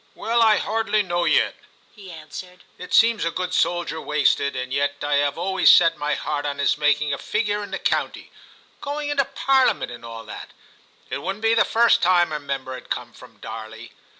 *Well, I hardly know yet,' he answered; 'it seems a good soldier wasted, and yet I have always set my heart on his making a figure in the county — going into Parliament, and all that ; it wouldn't be the first time a member had come from Darley.